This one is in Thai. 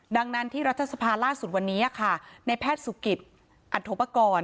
ดังนั้นที่รัฐสภาล่าสุดวันนี้ค่ะในแพทย์สุกิตอันโทปกรณ์